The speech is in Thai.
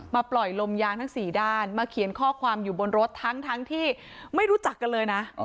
ปล่อยลมยางทั้ง๔ด้านมาเขียนข้อความอยู่บนรถทั้งที่ไม่รู้จักกันเลยนะ